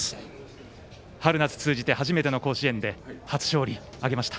春夏通じて初めての甲子園で初勝利を挙げました。